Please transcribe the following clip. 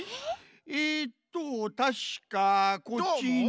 えっとたしかこっちに。